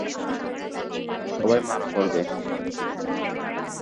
সবাই মারা পড়বে।